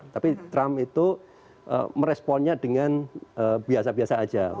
tapi trump itu meresponnya dengan biasa biasa saja